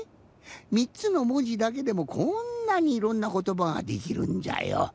３つのもじだけでもこんなにいろんなことばができるんじゃよ。